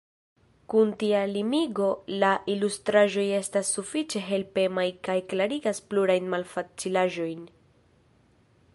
Kun tia limigo, la ilustraĵoj estas sufiĉe helpemaj kaj klarigas plurajn malfacilaĵojn.